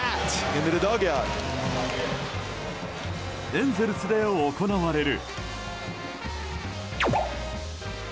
エンゼルスで行われる。